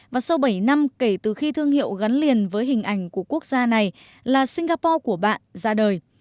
và sau bảy năm kể từ khi thương hiệu gắn liền với hình ảnh của quốc gia này là singapore của bạn ra đời